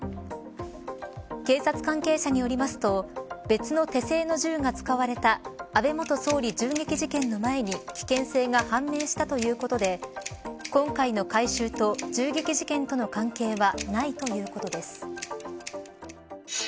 警察関係者によりますと別の手製の銃が使われた安倍元総理銃撃事件の前に危険性が判明したということで今回の回収と銃撃事件との関係はないということです。